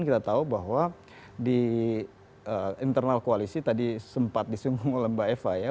itu bahwa di internal koalisi tadi sempat disungguh oleh mbak eva ya